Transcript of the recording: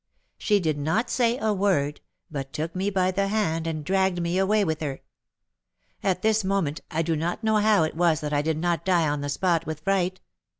She did not say a word, but took me by the hand and dragged me away with her. At this moment, I do not know how it was that I did not die on the spot with fright.